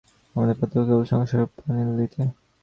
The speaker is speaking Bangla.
আমাদের পার্থক্য কেবল সংস্কারের প্রণালীতে।